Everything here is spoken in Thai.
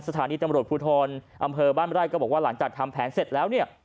สถานีตำรวจภูทรอำเภอบ้านไร่ก็บอกว่าหลังจากทำแผนเสร็จแล้วเนี่ย